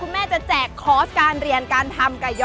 แม่จะแจกคอร์สการเรียนการทำไก่ยอ